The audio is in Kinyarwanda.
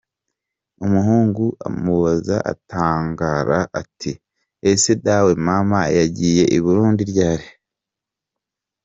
Umuhungu amubaza atangara; ati “Ese dawe mama yagiye i Burundi ryari?”.